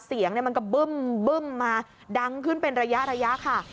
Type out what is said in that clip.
เสียงมันก็บึ้มมาดังขึ้นเป็นระยะค่ะ